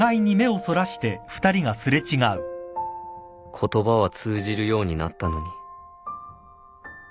言葉は通じるようになったのに